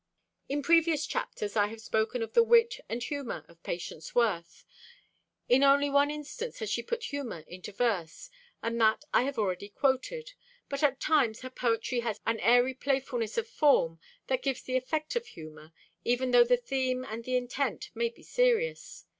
In previous chapters I have spoken of the wit and humor of Patience Worth. In only one instance has she put humor into verse, and that I have already quoted; but at times her poetry has an airy playfulness of form that gives the effect of humor, even though the theme and the intent may be serious.